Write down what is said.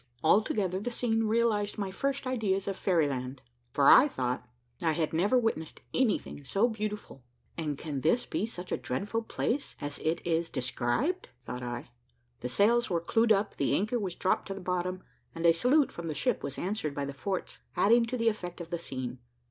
Altogether the scene realised my first ideas of fairy land, for I thought I had never witnessed anything so beautiful. "And can this be such a dreadful place as it is described?" thought I. The sails were clewed up, the anchor was dropped to the bottom, and a salute from the ship was answered by the forts, adding to the effect of the scene.